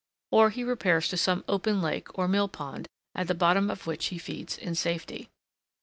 Or he repairs to some open lake or mill pond, at the bottom of which he feeds in safety.